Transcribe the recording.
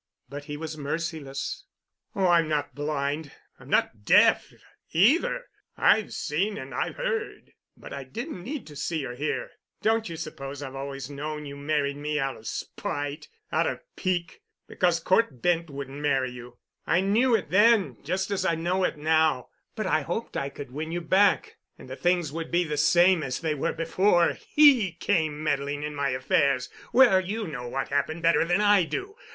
But he was merciless. "Oh, I'm not blind, and I'm not deaf, either. I've seen and I've heard. But I didn't need to see or to hear. Don't you suppose I've always known you married me out of spite—out of pique, because Cort Bent wouldn't marry you. I knew it then just as I know it now, but I hoped I could win you back and that things would be the same as they were before he came meddling in my affairs. Well, you know what happened better than I do.